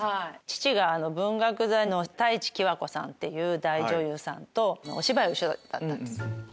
父が文学座の太地喜和子さんって大女優さんとお芝居を一緒だったんです。